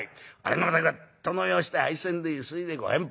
またグッと飲み干して杯洗でゆすいでご返杯。